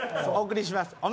お贈りします。